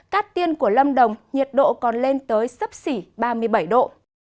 cát tiên của lâm đồng nhiệt độ còn lên tới sấp xỉ ba mươi bảy độ